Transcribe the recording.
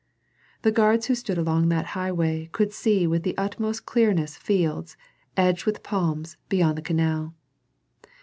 The guards who stood along that highway could see with the utmost clearness fields, edged with palms, beyond the canal.